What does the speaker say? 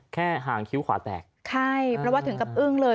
ห่างคิ้วขวาแตกใช่เพราะว่าถึงกับอึ้งเลย